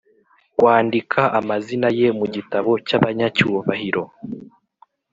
kwandika amazina ye mu gitabo cy’abanyacyubahiro,